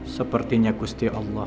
sepertinya kusti allah